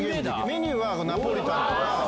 メニューはナポリタンとか。